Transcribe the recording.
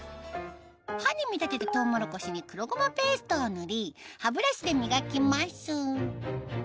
歯に見立てたトウモロコシに黒ゴマペーストを塗り歯ブラシで磨きます